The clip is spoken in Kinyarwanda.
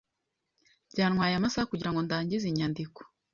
Byantwaye amasaha kugirango ndangize inyandiko.